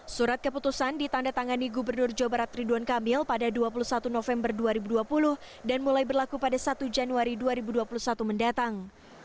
surat keputusan ditanda tangani gubernur jawa barat ridwan kamil pada dua puluh satu november dua ribu dua puluh dan mulai berlaku pada satu januari dua ribu dua puluh satu mendatang